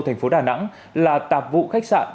thành phố đà nẵng là tạp vụ khách sạn